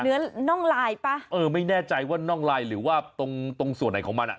น่องลายป่ะเออไม่แน่ใจว่าน่องลายหรือว่าตรงตรงส่วนไหนของมันอ่ะ